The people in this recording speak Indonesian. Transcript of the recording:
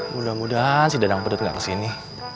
mudah mudahan si dadang pedet gak kesini